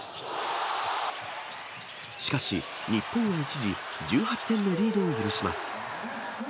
しかし、日本は一時、１８点のリードを許します。